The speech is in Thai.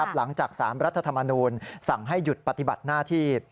หลังจาก๓รัฐธรรมนูลสั่งให้หยุดปฏิบัติหน้าที่